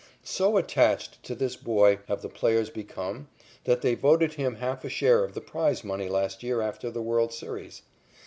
So attached to this boy have the players become that they voted him half a share of the prize money last year after the world's series.